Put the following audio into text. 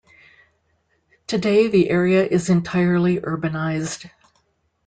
Today the area is entirely urbanized.